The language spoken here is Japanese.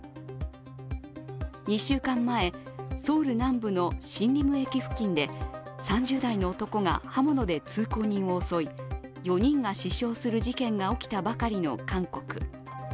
２週間前、ソウル南部のシンリム駅付近で３０代の男が刃物で通行人を襲い４人が死傷する事件が起きたばかりの韓国。